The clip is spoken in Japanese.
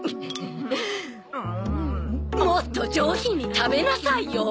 もっと上品に食べなさいよ！